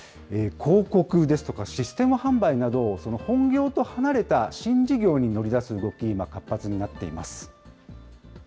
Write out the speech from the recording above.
広告ですとか、システム販売など、本業と離れた新事業に乗り出す動き、今、活発になっています。